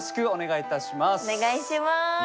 お願いします。